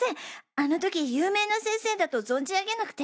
あの時有名な先生だと存じ上げなくて。